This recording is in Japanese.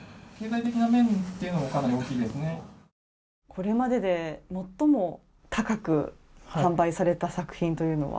これまでで最も高く販売された作品というのは？